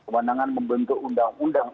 kemandangan membentuk undang undang